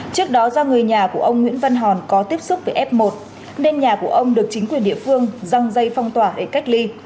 trước đó do người nhà của ông nguyễn văn hòn có tiếp xúc với f một nên nhà của ông được chính quyền địa phương răng dây phong tỏa để cách ly